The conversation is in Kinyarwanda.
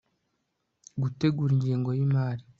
gutegura ingengo y imari